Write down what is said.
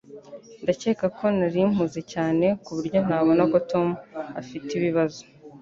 Ndakeka ko nari mpuze cyane kuburyo ntabona ko Tom afite ibibazo